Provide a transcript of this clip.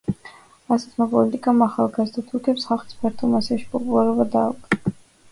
ასეთმა პოლიტიკამ ახალგაზრდა თურქებს ხალხის ფართო მასებში პოპულარობა დაუკარგა.